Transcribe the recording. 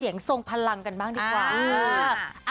ทรงพลังกันบ้างดีกว่า